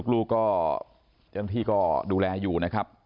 ลูกก็ท่านพี่ก็ดูแลอยู่นะครับ